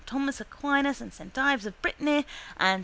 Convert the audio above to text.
Thomas Aquinas and S. Ives of Brittany and S.